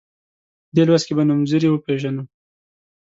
په دې لوست کې به نومځري وپيژنو.